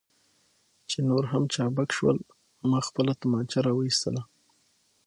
چې نور هم چابک شول، ما خپله تومانچه را وایستل.